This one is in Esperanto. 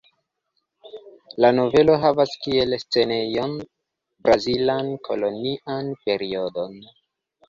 La novelo havas kiel scenejon brazilan kolonian periodon.